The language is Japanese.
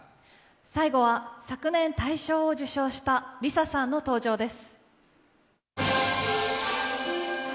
最後は昨年大賞を受賞したＬｉＳＡさんの登場です。